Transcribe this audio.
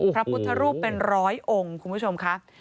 พระพุทธรูปเป็นร้อยองค์คุณผู้ชมค่ะ